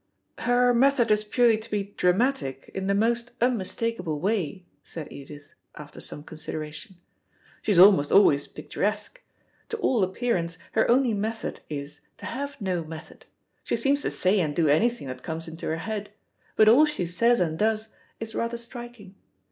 "Her method is purely to be dramatic, in the most unmistakable way," said Edith, after some consideration. "She is almost always picturesque. To all appearance her only method is to have no method. She seems to say and do anything that comes into her head, but all she says and does is rather striking.